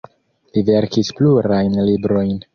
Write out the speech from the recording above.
Li verkis plurajn librojn.